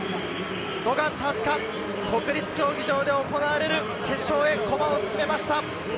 ５月２０日、国立競技場で行われる決勝へ駒を進めました。